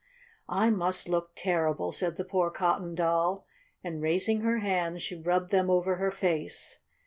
"I must look terrible!" said the poor Cotton Doll, and, raising her hands, she rubbed them over her face.